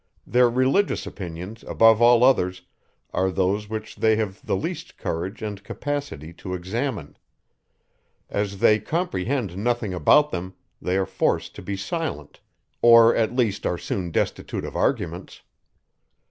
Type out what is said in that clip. Their religious opinions, above all others, are those which they have the least courage and capacity to examine: as they comprehend nothing about them, they are forced to be silent, or at least are soon destitute of arguments.